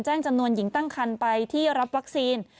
จำนวนหญิงตั้งคันไปที่รับวัคซีน